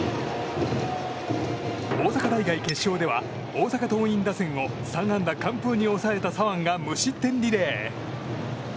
大阪大会決勝では大阪桐蔭打線を３安打完封に抑えた左腕が無失点リレー。